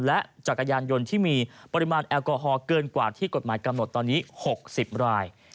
และจักรยานยนต์ที่มีปริมาณแอลกอฮอลเกินกว่าที่กฎหมายกำหนดตอนนี้๖๐ราย